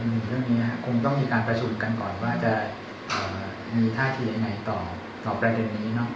ยังไม่ได้พูดอะไรคนนี้ครับคงต้องมีการประจุกันก่อนว่าจะมีท่าทียังไงต่อประเด็นนี้